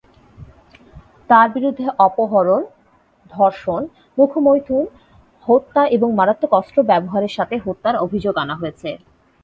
তার বিরুদ্ধে অপহরণ, ধর্ষণ, মুখ-মৈথুন, হত্যা এবং মারাত্মক অস্ত্র ব্যবহারের সাথে হত্যার অভিযোগ আনা হয়েছে।